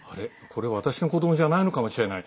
これ、私の子どもじゃないのかもしれない。